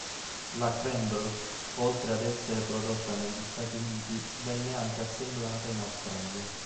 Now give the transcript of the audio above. La Cranbrook, oltre ad essere prodotta negli Stati Uniti, venne anche assemblata in Australia.